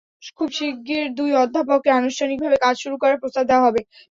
খুব শিগগির দুই অধ্যাপককে আনুষ্ঠানিকভাবে কাজ শুরু করার প্রস্তাব দেওয়া হবে।